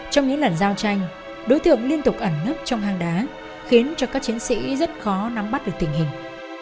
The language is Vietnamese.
trong những lần giao tranh đối tượng liên tục ẩn nấp trong hang đá khiến cho các chiến sĩ rất khó nắm bắt được tình hình